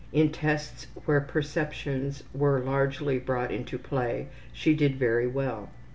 In tests where perceptions were largely brought into play she did very well.